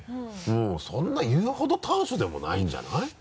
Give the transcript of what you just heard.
そんな言うほど短所でもないんじゃない？